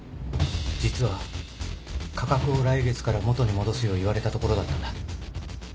実は価格を来月から元に戻すよう言われたところだったんだ